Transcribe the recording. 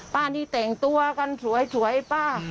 ป้านี่แต่งตัวกันสวยป้า